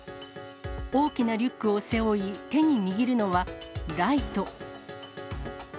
大きなリュックを背負い、手に握るのはライト。